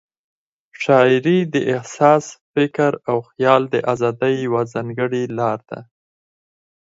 شاعري د احساس، فکر او خیال د آزادۍ یوه ځانګړې لار ده.